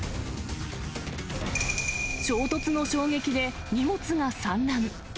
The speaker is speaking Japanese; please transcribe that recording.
衝突の衝撃で荷物が散乱。